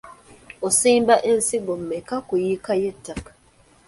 Osimba ensigo mmeka ku yiika y'ettaka?